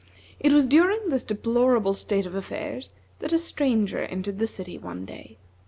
It was during this deplorable state of affairs that a stranger entered the city one day.